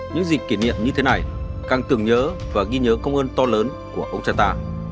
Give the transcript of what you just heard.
những dịp kỷ niệm như thế này càng tưởng nhớ và ghi nhớ công ơn to lớn của ông cha ta